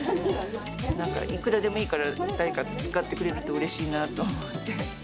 なんかいくらでもいいから、誰か使ってくれるとうれしいなと思って。